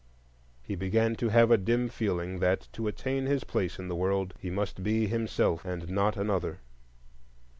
He began to have a dim feeling that, to attain his place in the world, he must be himself, and not another.